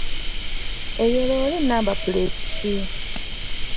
Eyo loole nnamba puleeti ki?